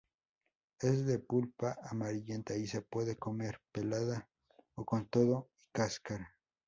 Es de pulpa amarillenta y se puede comer pelada o con todo y cáscara.